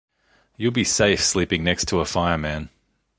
You’ll be safe sleeping next to a fire man.